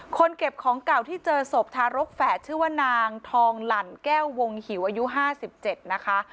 เก็บของเก่าที่เจอศพทารกแฝดชื่อว่านางทองหลั่นแก้ววงหิวอายุ๕๗นะคะ